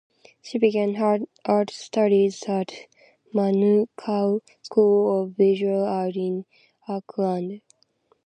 She began her art studies at Manukau School of Visual Art in Auckland.